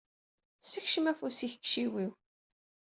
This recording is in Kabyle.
Sekcem afus-ik deg yiciwi-w.